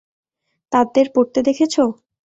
তাদের পড়তে দেখেছো?